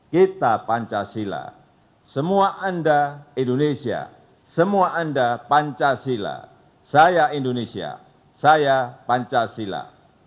kita pancasila semua anda indonesia semua anda pancasila saya indonesia saya pancasila